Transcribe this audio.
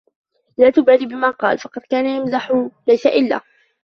لا تبالي بما قال ، فقد كان يمزح ليس إلا.